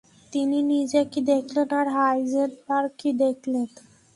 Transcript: তিনি নিজে কী দেখলেন, আর হাইজেনবার্গ কী দেখলেন।